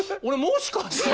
もしかして。